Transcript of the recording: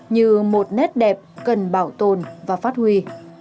như một nét đẹp cần bảo tồn và phát huy